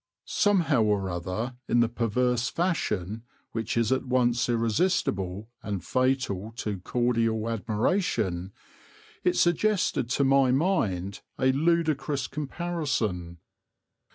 Somehow or other, in the perverse fashion which is at once irresistible and fatal to cordial admiration, it suggested to my mind a ludicrous comparison.